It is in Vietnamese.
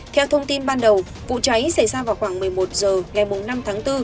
theo thông tin ban đầu vụ cháy xảy ra vào khoảng một mươi một h ngày năm tháng bốn